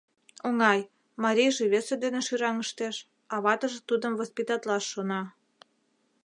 Оҥай, марийже весе дене шӱраҥыштеш, а ватыже тудым воспитатлаш шона.